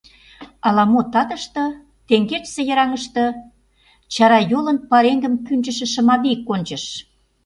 Ала-мо татыште теҥгечысе йыраҥыште чарайолын пареҥгым кӱнчышӧ Шымавий кончыш.